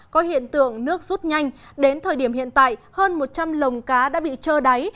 có hiện tượng nước rút nhanh đến thời điểm hiện tại hơn một trăm linh lồng cá đã bị trơ đáy